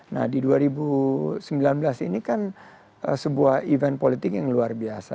nah di dua ribu sembilan belas ini kan sebuah event politik yang luar biasa